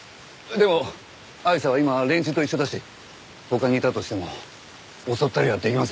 でもアイシャは今連中と一緒だし他にいたとしても襲ったりはできませんよ。